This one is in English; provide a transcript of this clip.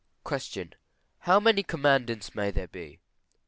_ How many Commandments may there be?